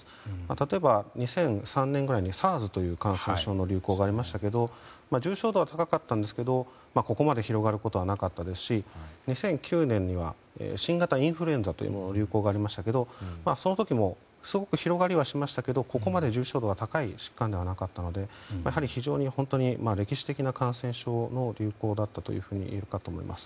例えば、２００３年ぐらいにＳＡＲＳという感染症の流行がありましたけれども重症度は高かったんですがここまで広がることはなかったですし２００９年には新型インフルエンザの流行がありましたがその時も、すごく広がりはしましたけれどもここまで重症度の高い疾患ではなかったのでやはり、非常に歴史的な感染症の流行だったといえると思います。